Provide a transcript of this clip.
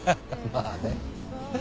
まあね。